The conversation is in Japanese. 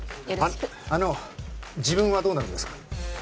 よろしくあの自分はどうなるんですか？